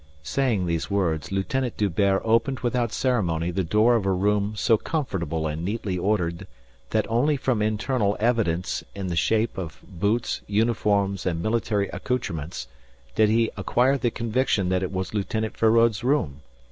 Saying these words, Lieutenant D'Hubert opened without ceremony the door of a room so comfortable and neatly ordered that only from internal evidence in the shape of boots, uniforms and military accoutrements, did he acquire the conviction that it was Lieutenant Feraud's room.